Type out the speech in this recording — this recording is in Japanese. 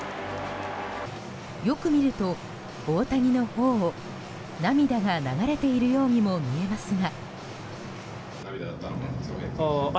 よく見ると大谷の頬を涙が流れているようにも見えますが。